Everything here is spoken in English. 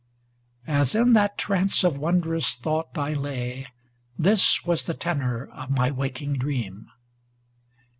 As in that trance of wondrous thought I lay, This was the tenor of my waking dream.